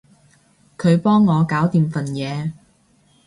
佢幫我搞掂份嘢